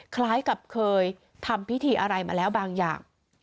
คล้ายกับเคยทำพิธีอะไรมาแล้วบางอย่าง